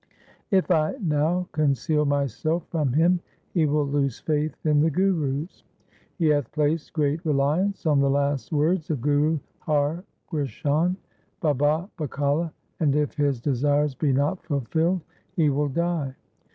If I now conceal myself from him he will lose faith in the Gurus. He hath placed great reliance on the last words of Guru Har Krishan, " Baba Bakale ", and if his desires be not fulfilled, he will die.